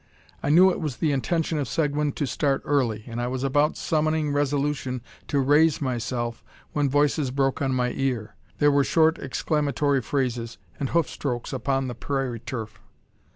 I knew it was the intention of Seguin to start early, and I was about summoning resolution to raise myself when voices broke on my ear. There were short, exclamatory phrases, and hoof strokes upon the prairie turf.